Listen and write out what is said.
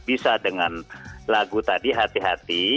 bisa dengan lagu tadi hati hati